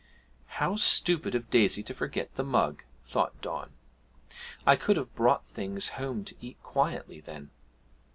'How stupid of Daisy to forget the mug!' thought Don. 'I could have brought things home to eat quietly then.